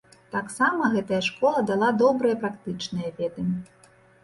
Таксама гэтая школа дала добрыя практычныя веды.